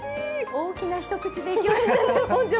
大きな一口でいきましたね